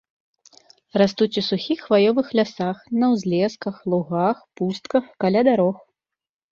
Растуць у сухіх хваёвых лясах, на ўзлесках, лугах, пустках, каля дарог.